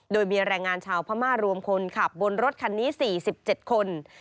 โดยมีแรงงานชาวพม่ารวมคนขับบนรถคันนี้๔๗คน